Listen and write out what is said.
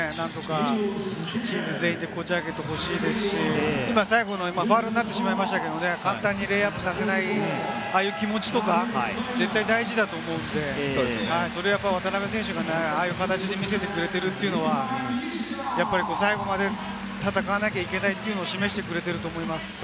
そこを何とかチーム全員でこじ開けてほしいですし、最後ファウルになってしまいましたけれども、簡単にレイアップさせない、ああいう気持ちとか絶対大事だと思うんで、それをやっぱり渡邊選手がああいう形で見せてくれているというのは、最後まで戦わなきゃいけないというのを示してくれていると思います。